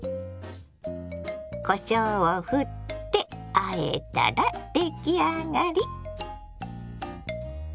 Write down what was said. こしょうをふってあえたら出来上がり。